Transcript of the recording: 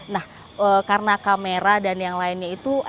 nah karena kamera dan yang lainnya itu